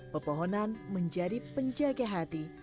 pepohonan menjadi penjaga hati